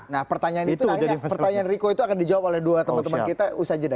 nah pertanyaan riko itu akan dijawab oleh dua teman teman kita usai jeda